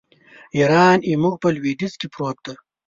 ایران زموږ په لوېدیځ کې پروت دی.